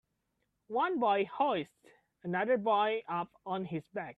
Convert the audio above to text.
One boy hoists another boy up on his back.